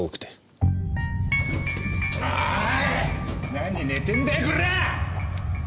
何寝てんだよこら！